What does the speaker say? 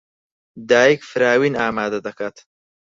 دایک فراوین ئامادە دەکات.